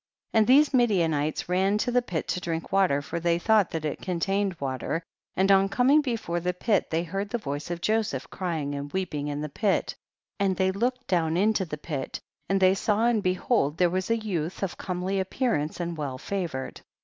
6. And these Midianites ran to the pit to drink water, for they thought that it contained water, and on com ing before the pit they heard the voice of Joseph crying and weeping in the pit, and thev looked down in to the pit, and they saw and behold there was a youth of comely appear ance and well favored.